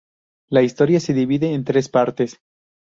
La historia se divide en tres partes.